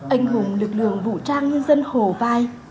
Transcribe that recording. anh hùng lực lượng vũ trang nhân dân hồ vai